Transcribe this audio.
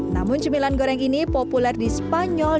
namun cemilan goreng ini populer di spanyol